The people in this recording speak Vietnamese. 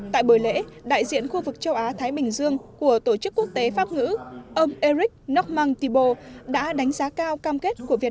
tại buổi lễ đại diện khu vực châu á thái bình dương của tổ chức quốc tế pháp ngữ